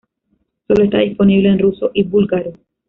Solo está disponible en ruso y búlgaro.